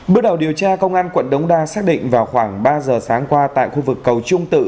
bước đầu điều tra công an quận đống đa xác định vào khoảng ba giờ sáng qua tại khu vực cầu trung tự